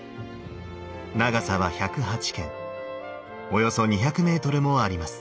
長さは百八間およそ２００ｍもあります。